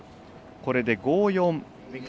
これで５−４。